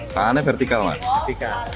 tangannya vertikal mas